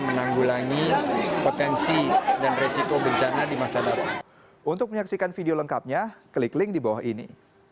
menanggulangi potensi dan resiko bencana di masa datang untuk menyaksikan video lengkapnya klik link di bawah ini